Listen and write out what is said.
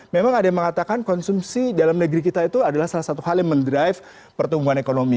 memang ada yang mengatakan konsumsi dalam negeri kita itu adalah salah satu hal yang mendrive pertumbuhan ekonomi